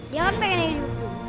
dia kan pengen hidup juga